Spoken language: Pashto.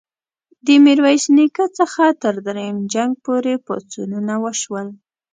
د میرویس نیکه څخه تر دریم جنګ پوري پاڅونونه وشول.